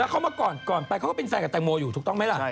แล้วเค้ามาก่อนไปเค้าก็เป็นแฟนกับแตงโมอยู่ถูกต้องมั้ยแหละ